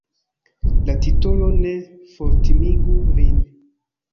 La titolo ne fortimigu vin.